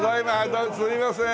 どうもすいません。